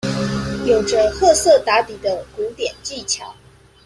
有著褐色打底的古典技巧